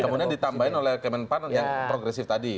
kemudian ditambahin oleh kemenpan yang progresif tadi